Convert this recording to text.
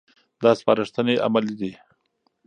دا سپارښتنې عملي دي.